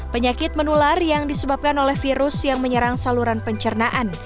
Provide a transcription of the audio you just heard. penyakit menular yang disebabkan oleh virus yang menyerang saluran pencernaan